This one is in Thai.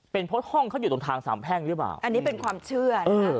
เป็นเพราะห้องเขาอยู่ตรงทางสามแพ่งหรือเปล่าอันนี้เป็นความเชื่อนะคะ